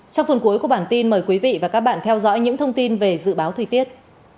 trong phần cuối của bản tin mời quý vị và các bạn theo dõi những thông tin về dự báo thời tiết